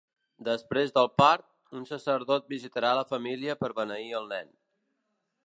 Després del part, un sacerdot visitarà la família per beneir el nen.